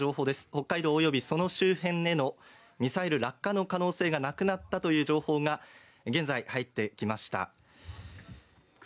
北海道およびその周辺へのミサイル落下の可能性がなくなったという情報が、現在、入ってきました。